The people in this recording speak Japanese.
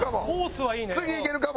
次いけるかも！